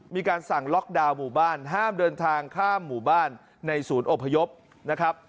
มีการสั่งล็อกดาวน์หมู่บ้านห้ามเดินทางข้ามหมู่บ้านในศูนย์อพยพนะครับ